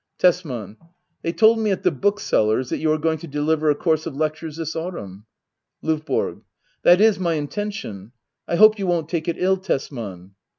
Tesman. They told me at the bookseller's that you are going to deliver a course of lectures this autumn. L&VBORO. That is my intention. I hope you won't take it ill, Tesman.